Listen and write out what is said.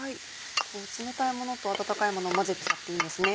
冷たいものと温かいもの混ぜちゃっていいんですね。